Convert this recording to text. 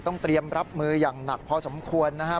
เตรียมรับมืออย่างหนักพอสมควรนะครับ